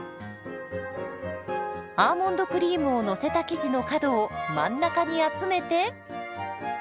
アーモンドクリームをのせた生地の角を真ん中に集めて。